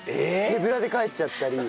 手ぶらで帰っちゃったり。